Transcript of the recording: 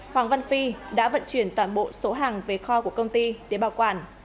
hoàng văn phi đã vận chuyển toàn bộ số hàng về kho của công ty để bảo quản